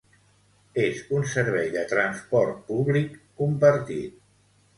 És un servei de transport públic compartit